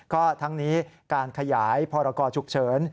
ก็ทั้งนี้การขยายพรกรฉุกเฉิน